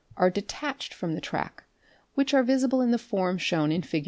are detached from the track which are visible in the form shown in Fig.